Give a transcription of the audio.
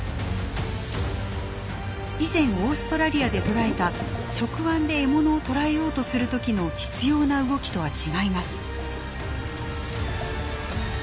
以前オーストラリアで捉えた触腕で獲物を捕らえようとする時の執ような動きとは違います。